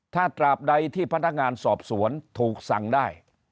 ถ้าตราบใดที่พนักงานสอบสวนถูกสั่งได้